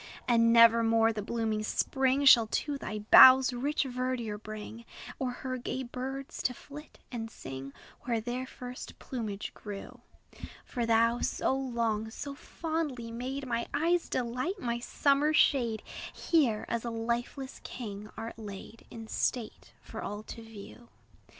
And never more the blooming spring Shall to thy boughs rich verdure bring, Or her gay birds, to flit and sing Where their first plumage grew; For thou, so long, so fondly made My eye's delight, my summer shade, Here, as a lifeless king, art laid In state, for all to view.